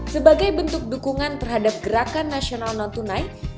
sebagai bentuk dukungan terhadap gerakan nasional non tunai